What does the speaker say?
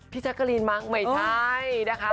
พี่แชร์กาลีนมั้งไม่ใช่นะคะ